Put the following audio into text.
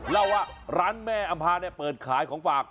เล่าว่าร้านแม่อำภาเนี่ยเปิดขายของฝาก